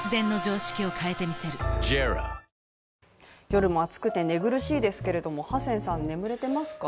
夜も暑くて、寝苦しいですけどハセンさん、眠れてますか？